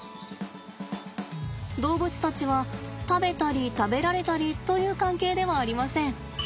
動物たちは食べたり食べられたりという関係ではありません。